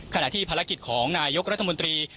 ขณะที่ภารกิจของนายกรัฐมนตรี